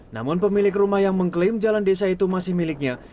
namun pemilik rumah yang mengklaim jalan desa itu masih miliknya